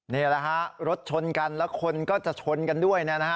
นี่แหละฮะรถชนกันแล้วคนก็จะชนกันด้วยนะฮะ